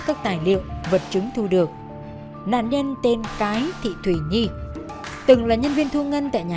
các tài liệu vật chứng thu được nạn nhân tên cái thị thủy nhi từng là nhân viên thu ngân tại nhà